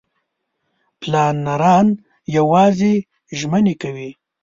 پلانران یوازې ژمنې کوي.